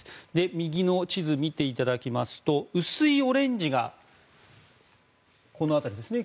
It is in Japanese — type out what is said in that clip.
右の地図を見ていただきますと薄いオレンジが、この辺りですね